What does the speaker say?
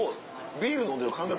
ビール飲んでる感覚あんの？